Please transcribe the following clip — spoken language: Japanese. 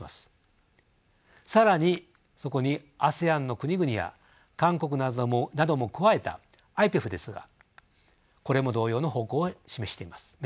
更にそこにＡＳＥＡＮの国々や韓国なども加えたＩＰＥＦですがこれも同様の方向を目指しています。